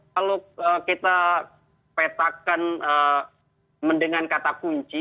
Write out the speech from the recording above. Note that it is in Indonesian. kalau kita petakan dengan kata kunci